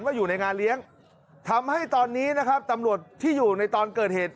ว่าอยู่ในงานเลี้ยงทำให้ตอนนี้นะครับตำรวจที่อยู่ในตอนเกิดเหตุ